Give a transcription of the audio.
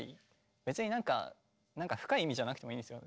別になんか深い意味じゃなくてもいいんですよ